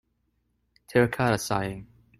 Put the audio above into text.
Terracotta Sighing.